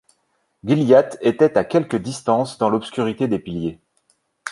Gilliatt était à quelque distance dans l’obscurité des piliers.